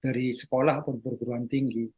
dari sekolah berguruan tinggi